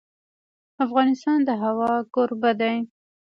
افغانستان د هوا کوربه دی.